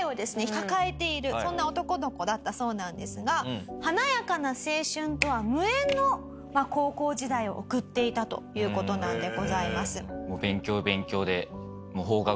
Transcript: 抱えているそんな男の子だったそうなんですが華やかな青春とは無縁の高校時代を送っていたという事なんでございます。